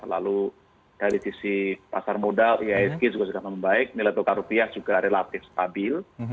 lalu dari sisi pasar modal ihsg juga sudah membaik nilai tukar rupiah juga relatif stabil